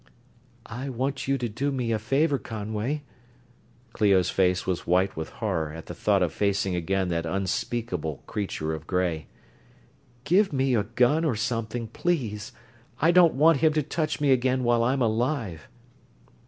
"I want you to do me a favor, Conway." Clio's face was white with horror at the thought of facing again that unspeakable creature of gray. "Give me a gun or something, please. I don't want him to touch me again while I'm alive."